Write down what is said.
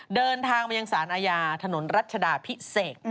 เดินทางมายังสารอาญาถนนรัชดาพิเศษ